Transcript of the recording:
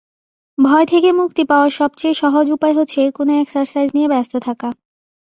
ভয় থেকে মুক্তি পাওয়ার সবচেয়ে সহজ উপায় হচ্ছে, কোনো এক্সারসাইজ নিয়ে ব্যস্ত থাকা!